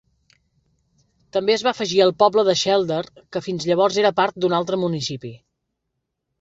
També es va afegir el poble de Scheulder, que fins llavors era part d'un altre municipi.